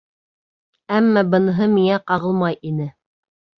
Әммә быныһы миңә ҡағылмай ине.